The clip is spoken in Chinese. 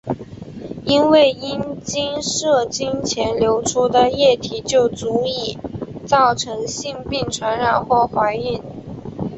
因为阴茎射精前流出的液体就足以造成性病传染或怀孕。